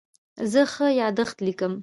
زه ښه یادښت لیکم.